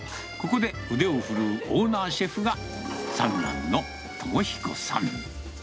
ここで腕を振るうオーナーシェフが三男のともひこさん。